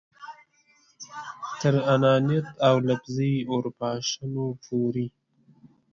تر انانیت او لفظي اورپاشنو پورې.